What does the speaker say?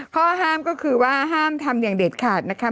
ข้อห้ามก็คือว่าห้ามทำอย่างเด็ดขาดนะคะ